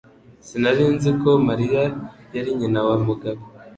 Sinari nzi ko Mariya yari nyina wa Mugabo